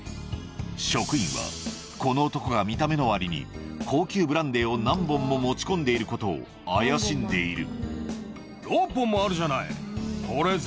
職員は、この男が見た目のわりに高級ブランデーを何本も持ち込んでいるこ６本もあるじゃない。